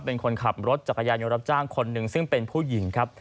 เป็นคนขับรถจักรยานยนต์รับจ้างคนหนึ่งซึ่งเป็นผู้หญิงครับ